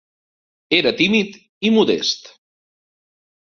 Era tímid i modest.